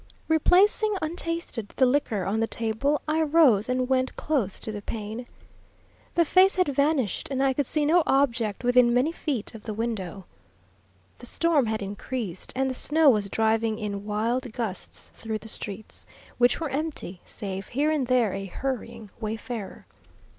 Replacing, untasted, the liquor on the table, I rose and went close to the pane. The face had vanished, and I could see no object within many feet of the window. The storm had increased, and the snow was driving in wild gusts through the streets, which were empty, save here and there a hurrying wayfarer.